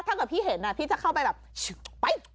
ถ้าเกิดพี่เห็นพี่จะเข้าไปแบบไป